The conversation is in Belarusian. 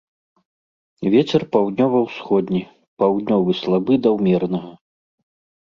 Вецер паўднёва-ўсходні, паўднёвы слабы да ўмеранага.